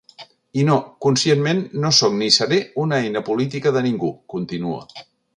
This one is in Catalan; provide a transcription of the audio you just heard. I no, conscientment, no sóc ni seré una eina política de ningú, continua.